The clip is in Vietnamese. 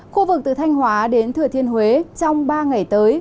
khu vực từ thanh hóa đến thừa thiên huế trong ba ngày tới